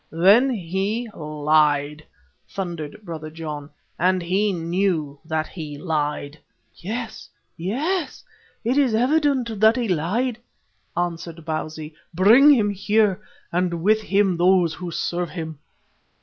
"Then he lied," thundered Brother John, "and he knew that he lied." "Yes, yes, it is evident that he lied," answered Bausi. "Bring him here, and with him those who serve him."